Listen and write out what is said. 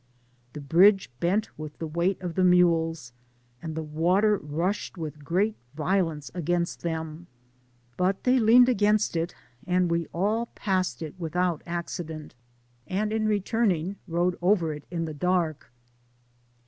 The bridge bent with the weight of the mules, and the water rushed with great violence against them, but they leaned against it, and we all passed it without acddait; and in returning rode over it in the dark.